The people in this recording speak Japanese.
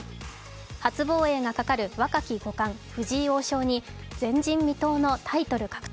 初防衛がかかる若き五冠・藤井王将に前人未到のタイトル獲得